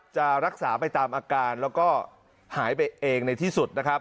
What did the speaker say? จะรักษาไปตามอาการและหายไปเองในที่สุด